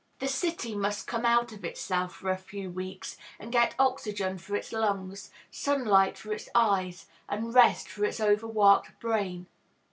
The city must come out of itself for a few weeks, and get oxygen for its lungs, sunlight for its eyes, and rest for its overworked brain.